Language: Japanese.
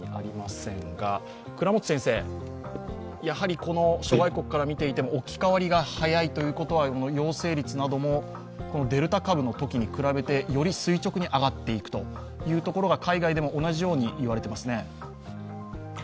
やはり諸外国から見ていても起き変わりが早いということは陽性率などもデルタ株のときに比べて、より垂直に上がっていくということ海外でも同じように言われていますね？